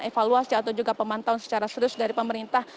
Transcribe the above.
evaluasi atau juga pemantauan secara serius dari pemerintah